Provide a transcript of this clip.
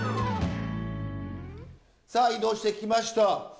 さあ移動してきました。